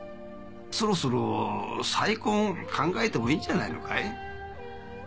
そろそろ再婚考えてもいいんじゃないのかい？